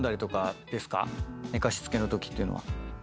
寝かしつけのときっていうのは。